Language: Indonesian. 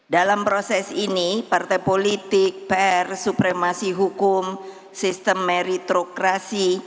dalam proses ini partai politik pr supremasi hukum sistem meritrokrasi